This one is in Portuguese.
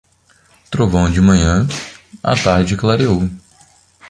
Trovão de manhã, a tarde clareou.